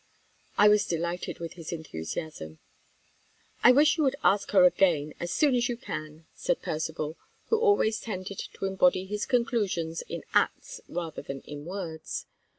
I was delighted with his enthusiasm. "I wish you would ask her again, as soon as you can," said Percivale, who always tended to embody his conclusions in acts rather than in words.